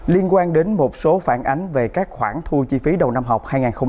liên quan đến một số phản ánh về các khoản thu chi phí đầu năm học hai nghìn hai mươi hai nghìn hai mươi một